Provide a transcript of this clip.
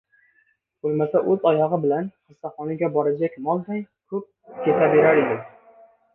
— Bo‘lmasa o‘z oyog‘i bilan qassobxonaga borajak molday bo‘p ketaberar edim».